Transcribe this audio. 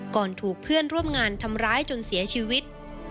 ก่อนถูกเพื่อนร่วมงานทำร้ายจนเสียชีวิต